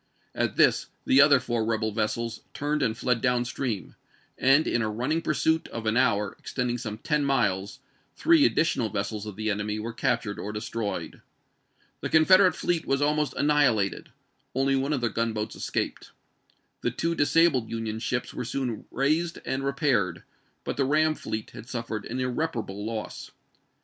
At this the other four rebel vessels turned and fled down stream, and in a running pursuit of an hour, extending some ten miles, three additional vessels of the enemy were captured or destroyed. The Confederate fleet was almost annihilated ; only one of their gunboats escaped. The two disabled Union ships were soon raised and repaired, but the ram fleet had suffered an irreparable loss.